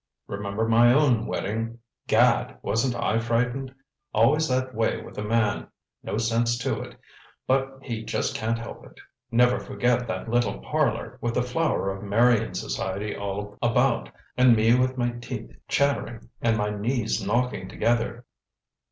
Remember my own wedding gad, wasn't I frightened? Always that way with a man no sense to it, but he just can't help it. Never forget that little parlor, with the flower of Marion society all about, and me with my teeth chattering and my knees knocking together."